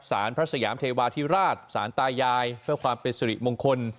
สารพระสยามเทวาธิราชสารตายายเพื่อความเป็นสุริมงคล